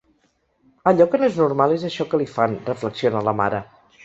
Allò que no és normal és això que li fan, reflexiona la mare.